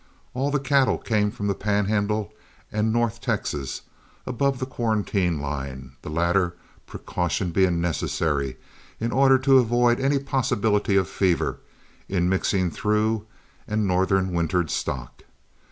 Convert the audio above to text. All the cattle came from the Pan Handle and north Texas, above the quarantine line, the latter precaution being necessary in order to avoid any possibility of fever, in mixing through and northern wintered stock.